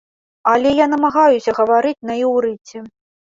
Але я намагаюся гаварыць на іўрыце.